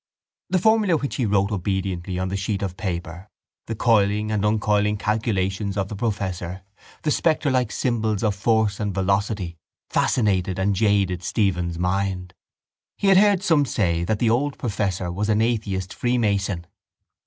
The formula which he wrote obediently on the sheet of paper, the coiling and uncoiling calculations of the professor, the spectrelike symbols of force and velocity fascinated and jaded Stephen's mind. He had heard some say that the old professor was an atheist freemason.